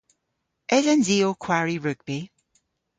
Esens i ow kwari rugbi?